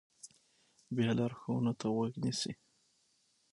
بیا لارښوونو ته غوږ نیسي.